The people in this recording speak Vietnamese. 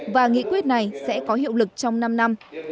và nghị quyết này sẽ có hiệu lực trong năm năm